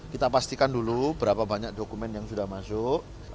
kita pastikan dulu berapa banyak dokumen yang sudah masuk